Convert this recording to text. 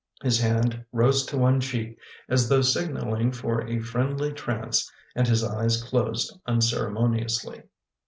His hand rose to one cheek as though signaling for a friendly trance and his eyes closed unceremoniously.